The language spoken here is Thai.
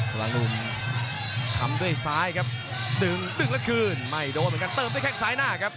ละลุมทำด้วยซ้ายครับดึงดึงแล้วคืนไม่โดนเหมือนกันเติมด้วยแข้งซ้ายหน้าครับ